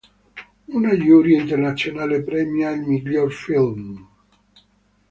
Una giuria internazionale premia il miglior film.